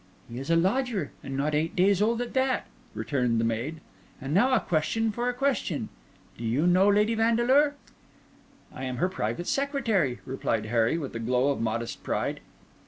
"He is a lodger, and not eight days old at that," returned the maid. "And now a question for a question: Do you know lady Vandeleur?" "I am her private secretary," replied Harry with a glow of modest pride.